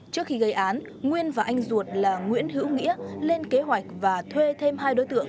trước khi gây án nguyên và anh ruột là nguyễn hữu nghĩa lên kế hoạch và thuê thêm hai đối tượng